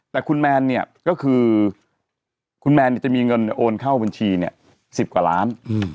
แต่คุณแมนเนี่ยก็คือคุณแมนจะมีเงินโอนเข้าบัญชีเนี่ย๑๐กว่าล้าน